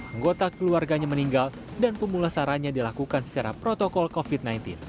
anggota keluarganya meninggal dan pemulasarannya dilakukan secara protokol covid sembilan belas